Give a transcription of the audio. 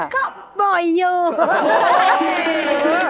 นั่นแหละนั่นแหละ